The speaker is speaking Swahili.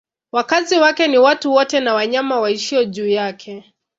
Wakazi wake ni watu wote na wanyama waishio juu yake.